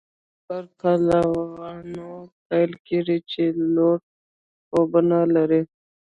د هغو کسانو پر پلونو پل کېږدئ چې لوړ خوبونه لري